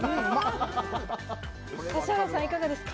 指原さん、いかがですか？